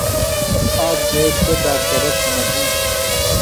آک دیس سوۡ ڈاکٹرہ کُھنہ گُوم۔